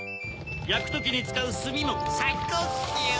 やくときにつかうすみもさいこうきゅう！